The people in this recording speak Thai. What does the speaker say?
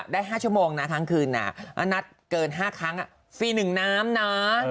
ได้แค่๕ชมทั้งคืนนะงัดเกิน๕ครั้งฟรี๑น้ำนะ